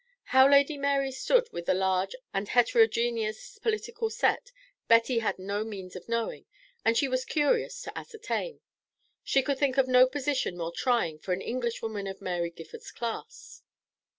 How Lady Mary stood with the large and heterogeneous political set Betty had no means of knowing, and she was curious to ascertain; she could think of no position more trying for an Englishwoman of Mary Gifford's class.